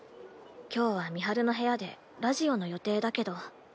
今日は美晴の部屋でラジオの予定だけど。